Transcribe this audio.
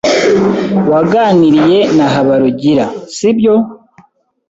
Waganiriye na Habarugira, sibyo?